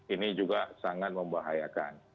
ini juga sangat membahayakan